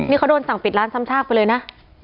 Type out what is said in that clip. นี่เขาโดนสั่งปิดร้านซ้ำซากไปเลยนะ